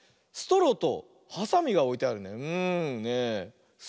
ストローとハサミがおいてあるね。